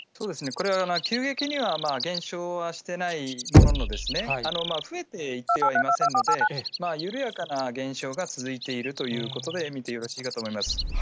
これは急激にはまあ減少はしていないものの、増えていってはいませんので、緩やかな現象が続いているということで見てよろしいかと思います。